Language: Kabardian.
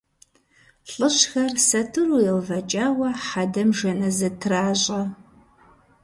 Лӏыжьхэр сатыру еувэкӏауэ хьэдэм жэназы тращӏэ.